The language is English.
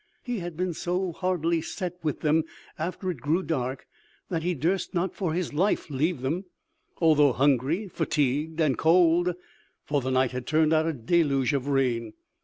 He had been so hardly set with them after it grew dark, that he durst not for his life leave them, although hungry, fatigued, and cold, for the night had turned out a deluge of rain.